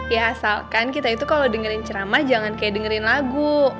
ya asalkan kita itu kalau dengerin ceramah jangan kayak dengerin lagu